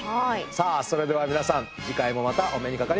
さあそれでは皆さん次回もまたお目にかかりましょう。